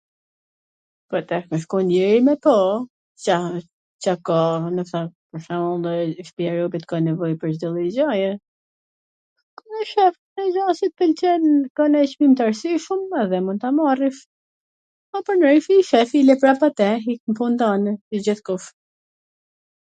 Po tash me shku njeri me pa, gja, Ca ka, me than, pwr shembull, shpija e robit ka nevoj pwr Cdo lloj gjaje, edhe shef, nonj gja si t pwlqen, ka nanj Cmim t arsyshwm, merr, dhe mun ta marrwsh, po pwrnryshe i shef i le prap aty ie k nw pun tane, si gjithkush.